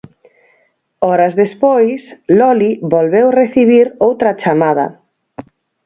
Horas despois Loli volveu recibir outra chamada.